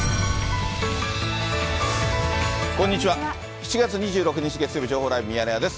７月２６日月曜日、情報ライブミヤネ屋です。